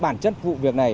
bản chất vụ việc này